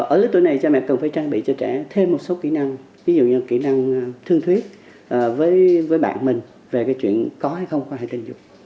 ở lớp tuổi này cha mẹ cần phải trang bị cho trẻ thêm một số kỹ năng ví dụ như kỹ năng thương thuyết với bạn mình về cái chuyện có hay không quan hệ tình dục